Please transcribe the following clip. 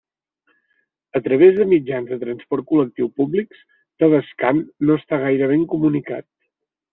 A través de mitjans de transport col·lectiu públics, Tavascan no està gaire ben comunicat.